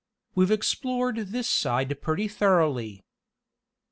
We've explored this side pretty thoroughly."